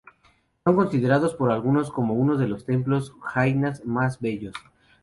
Son considerados por algunos como unos de los templos jainas más bellos.